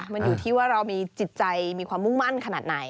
มันอยู่ที่ว่าเรามีจิตใจมีความมุ่งมั่นขนาดไหน